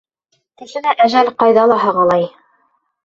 Кешене әжәл ҡайҙа ла һағалай.